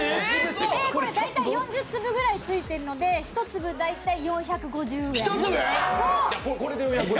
これ、大体４０粒くらいついていてるので、１粒４５０円くらい。